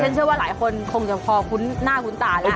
เชื่อว่าหลายคนคงจะพอคุ้นหน้าคุ้นตาแล้ว